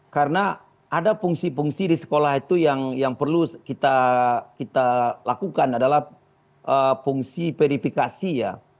karena ada fungsi fungsi di sekolah itu yang perlu kita lakukan adalah fungsi verifikasi ya